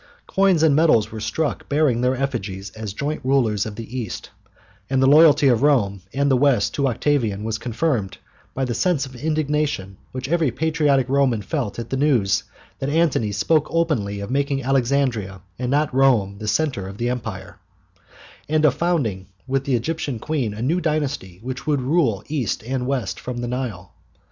Coins and medals were struck bearing their effigies as joint rulers of the East, and the loyalty of Rome and the West to Octavian was confirmed by the sense of indignation which every patriotic Roman felt at the news that Antony spoke openly of making Alexandria and not Rome the centre of the Empire, and of founding with the Egyptian Queen a new dynasty that would rule East and West from the Nile.